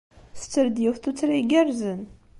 Tetter-d yiwet n tuttra igerrzen.